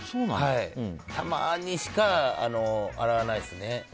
たまにしか洗わないですね。